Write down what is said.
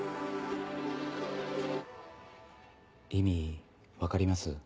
意味分かります？